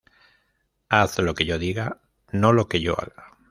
Haz lo que yo diga, no lo que yo haga